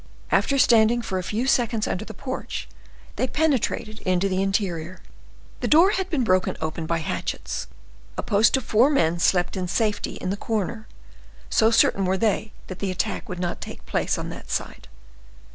After standing for a few seconds under the porch, they penetrated into the interior. The door had been broken open by hatchets. A post of four men slept in safety in a corner, so certain were they that the attack would not take place on that side.